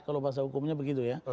kalau bahasa hukumnya begitu ya